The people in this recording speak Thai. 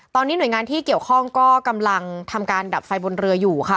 ตอนนี้หน่วยงานที่เกี่ยวข้องก็กำลังทำการดับไฟบนเรืออยู่ค่ะ